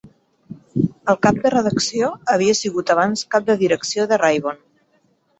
El cap de redacció havia sigut abans cap de direcció de "Ribon".